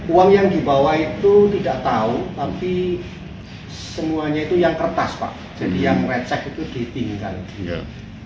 uang yang dibawa itu tidak tahu tapi semuanya itu yang kertas pak jadi yang recek itu ditinggal